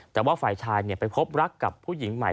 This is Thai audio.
แต่ว่าฝ่ายชายไปพบรักกับผู้หญิงใหม่